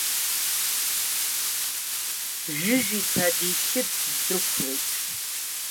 Жәыжә-иԥа дишьырц ддәықәлеит…